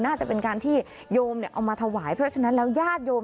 น่าจะเป็นการที่โยมเอามาถวายเพราะฉะนั้นแล้วญาติโยม